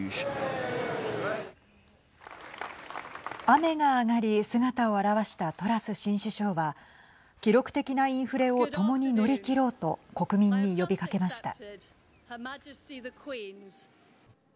雨が上がり姿を現したトラス新首相は記録的なインフレをともに乗り切ろうと国民に呼びかけました。